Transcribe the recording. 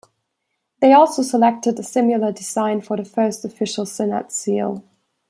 They also selected a similar design for the first official Senate seal.